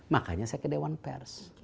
makanya saya ke dewan pers